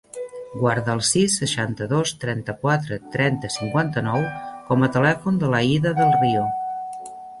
Guarda el sis, seixanta-dos, trenta-quatre, trenta, cinquanta-nou com a telèfon de l'Aïda Del Rio.